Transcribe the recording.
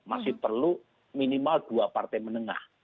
masih perlu minimal dua partai menengah